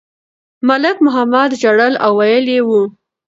ملک محمد ژړل او ویلي یې وو.